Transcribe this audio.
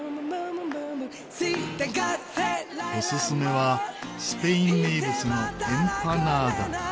おすすめはスペイン名物のエンパナーダ。